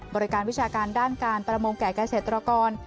บริการวิชาการด้านการประมงแก่เกษตรกร